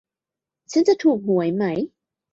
ฉันจะถูกหวยไหม